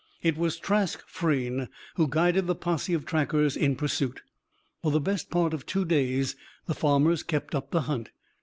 It was Trask Frayne who guided the posse of trackers in pursuit. For the best part of two days the farmers kept up the hunt.